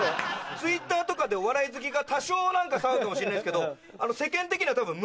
Ｔｗｉｔｔｅｒとかでお笑い好きが多少何か騒ぐかもしれないですけど。